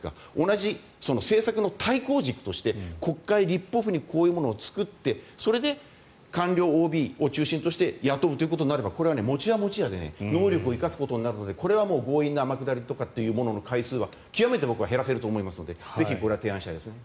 同じ政策の対抗軸として国会立法府にこういうものを作ってそれで官僚ＯＢを中心として雇うということになればこれは餅は餅屋ということで能力を生かすことになるのでこれは強引な天下りの回数は極めて減らせると思いますので提案したいですね。